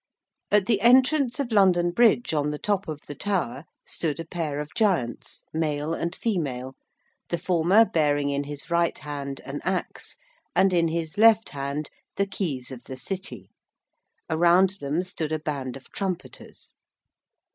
At the entrance of London Bridge, on the top of the tower, stood a pair of giants, male and female, the former bearing in his right hand an axe, and in his left hand the keys of the City. Around them stood a band of trumpeters.